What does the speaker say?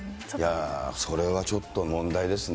それはちょっと問題ですね。